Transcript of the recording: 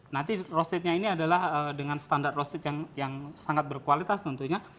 nanti roastednya ini adalah dengan standar roasted yang sangat berkualitas tentunya